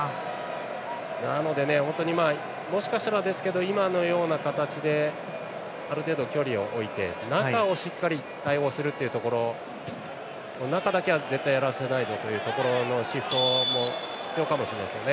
なので、もしかしたらですが今のような形である程度、距離を置いて中をしっかり対応するところ中だけは絶対やらせないぞというところのシフトも必要かもしれませんね。